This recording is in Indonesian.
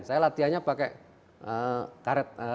saya latihannya pakai karet